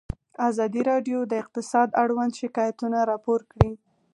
ازادي راډیو د اقتصاد اړوند شکایتونه راپور کړي.